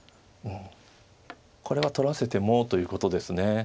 これは取らせてもということです。